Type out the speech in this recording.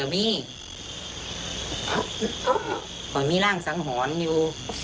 พ่อสิบอยู่บนไหนมันยังไหวอยู่